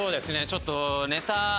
ちょっと。